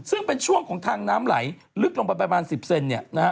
ซึ่งเป็นช่วงของทางน้ำไหลลึกลงไปประมาณ๑๐เซนเนี่ยนะฮะ